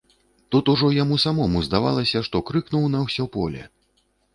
Тут ужо яму самому здавалася, што крыкнуў на ўсё поле.